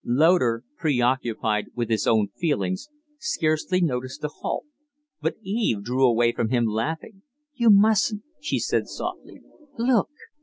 Loder, preoccupied with his own feelings, scarcely noticed the halt, but Eve drew away from him laughing. "You mustn't!" she said, softly. "Look!"